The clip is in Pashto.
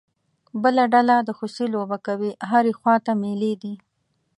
بله ډله د خوسی لوبه کوي، هرې خوا ته مېلې دي.